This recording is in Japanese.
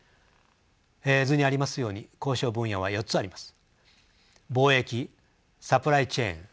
図にありますように交渉分野は４つあります。